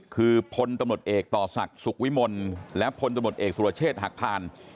คือพลตำรวจเอกต่อศักดิ์สุขวิมลและพลตำรวจเอกสุรเชษฐ์หักพาน